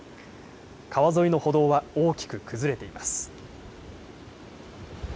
川沿いの歩道は大きく崩れています。